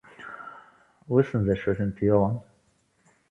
Wissen d acu i tent-yuɣen?